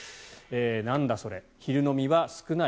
なんだそれ昼飲みは少ない。